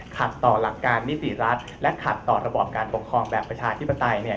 ขัดต่อหลักการนิติรัฐและขัดต่อระบอบการปกครองแบบประชาธิปไตยเนี่ย